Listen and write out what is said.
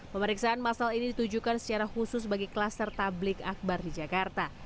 pemeriksaan masal ini ditujukan secara khusus bagi klaster tablik akbar di jakarta